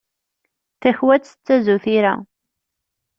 Takwat tettazu tira.